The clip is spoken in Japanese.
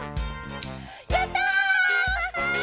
やった！